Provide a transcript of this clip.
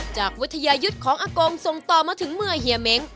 จากวิทยายุทธ์ของอากงส่งต่อมาถึงเมื่อเฮียเม้ง